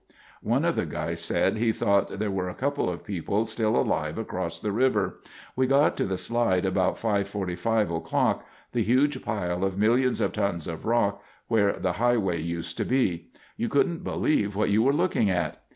"One of the guys said he thought there were a couple of people still alive across the river. We got to the slide about 5:45 o'clock—the huge pile of millions of tons of rock where the highway used to be. You couldn't believe what you were looking at.